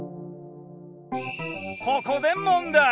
ここで問題！